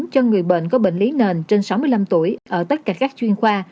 cho người bệnh có bệnh lý nền trên sáu mươi năm tuổi ở tất cả các chuyên khoa